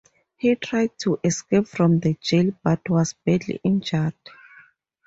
He tried to escape from the jail but was badly injured.